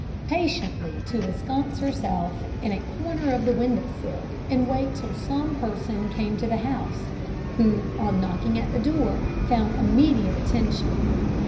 patiently to ensconce herself in a corner of the window sill, and wait till some person came to the house, who, on knocking at the door, found immediate attention.